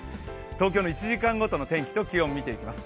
東京の１時間ごとの天気と気温を見ていきます。